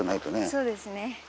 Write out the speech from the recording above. そうですね。